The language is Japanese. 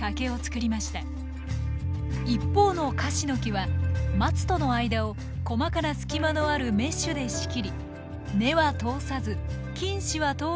一方のカシノキはマツとの間を細かな隙間のあるメッシュで仕切り根は通さず菌糸は通るように設計。